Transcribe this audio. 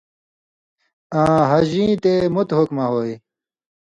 آں حج یی تے مُت کم ہویے۔